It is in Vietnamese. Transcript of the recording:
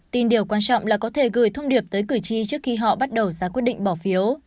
tin điều quan trọng là có thể gửi thông điệp tới cử tri trước khi họ bắt đầu ra quyết định bỏ phiếu